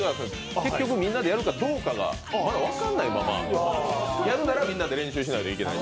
結局、みんなでやるかどうかがまだ分からないまま、やるならみんなで練習しないといけない。